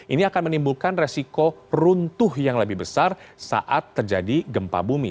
ini akan menimbulkan resiko runtuh yang lebih besar saat terjadi gempa bumi